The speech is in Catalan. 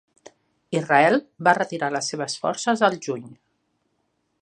Israel va retirar les seves forces al juny.